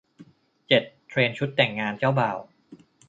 เจ็ด เทรนด์ชุดแต่งงานเจ้าบ่าว